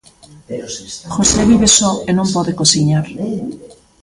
José vive só e non pode cociñar.